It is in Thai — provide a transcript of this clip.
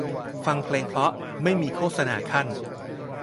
ฟังเพลงเพราะไม่มีโฆษณาคั่น